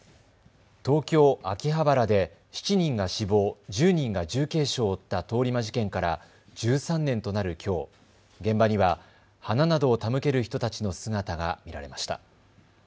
東京秋葉原で７人が死亡、１０人が重軽傷を負った通り魔事件から１３年となるきょう、現場には花などを手向ける人たちの姿が見られました。